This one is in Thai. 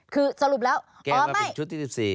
คือสรุปแล้วอ้อไม่แก้ว่าเป็นชุดที่๑๔